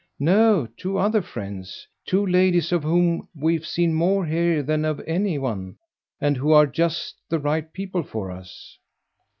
"No, two other friends; two ladies of whom we've seen more here than of any one and who are just the right people for us."